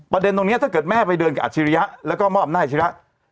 ประเด็นตรงนี้ถ้าเกิดแม่ไปเดินกับอัศจิริยะแล้วก็เมาะอำนาจอัศจิริยะ